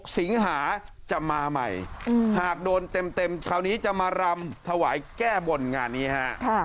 สิงหาจะมาใหม่หากโดนเต็มคราวนี้จะมารำถวายแก้บนงานนี้ฮะ